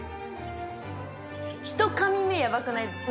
ひとかみ目ヤバくないですか？